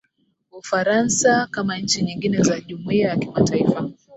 ufaransa kama nchi nyingine za jumuiya ya kimataifa